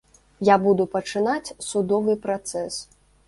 Я буду пачынаць судовы працэс.